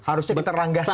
harusnya kita ranggaskan